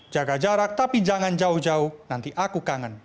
jaga jarak tapi jangan jauh jauh nanti aku kangen